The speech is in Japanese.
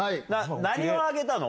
何をあげたの？